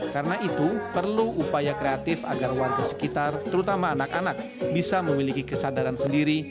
karena itu perlu upaya kreatif agar warga sekitar terutama anak anak bisa memiliki kesadaran sendiri